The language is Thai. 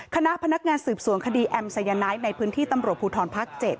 คณะพนักงานสืบสวนคดีแอมสายไนท์ในพื้นที่ตำรวจภูทรภาค๗